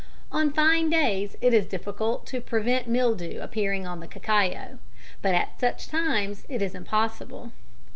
On fine days it is difficult to prevent mildew appearing on the cacao, but at such times it is impossible.